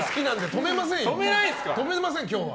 止めませんよ今日は。